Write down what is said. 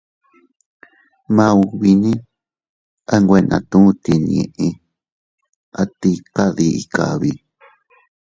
Maubine a nwe natu tinnii, a tika dii kabi.